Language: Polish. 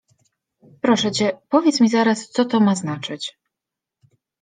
Proszę cię, powiedz mi zaraz, co to ma znaczyć?…